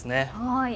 はい。